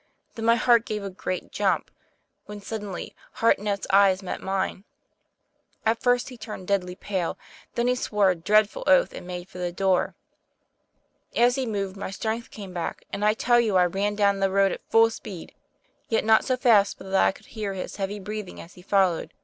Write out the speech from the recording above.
Then my heart gave a great jump, when suddenly Hartnett's eyes met mine. At first he turned deadly pale, then he swore a dreadful oath and made for the door. As he moved, my strength came back, and I tell you I ran down the road at full speed; yet not so fast but that I could hear his heavy breathing as he followed.